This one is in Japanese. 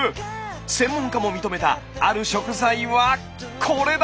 専門家も認めたある食材はこれだ！